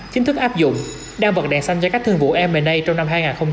chính thức áp dụng đang vật đèn xanh cho các thương vụ m a trong năm hai nghìn hai mươi hai